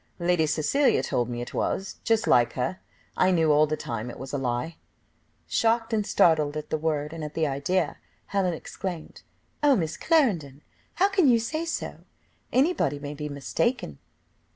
"Lady Cecilia told me it was. Just like her, I knew all the time it was a lie." Shocked and startled at the word, and at the idea, Helen exclaimed, "Oh! Miss Clarendon, how can you say so? anybody may be mistaken.